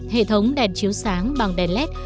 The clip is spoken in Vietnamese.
hệ thống đèn chiếu sáng bằng đèn led